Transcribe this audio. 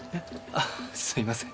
あっすいません。